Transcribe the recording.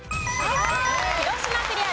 広島クリア。